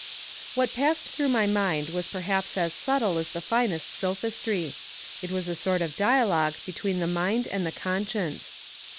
What passed through my mind was perhaps as subtle as the finest sophistry; it was a sort of dialogue between the mind and the conscience.